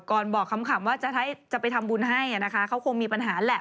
บอกขำว่าจะไปทำบุญให้นะคะเขาคงมีปัญหาแหละ